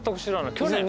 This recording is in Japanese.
去年？